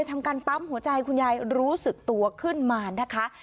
ทำการปั๊มหัวใจคุณยายรู้สึกตัวขึ้นมานะคะ